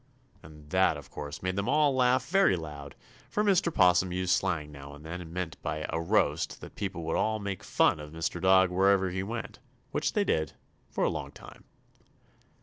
And that, of course, made them all laugh very loud, for Mr. 'Possum used slang now and then and meant by a "roast" that people would all make fun of Mr. Dog wherever he went; which they did, for a long time.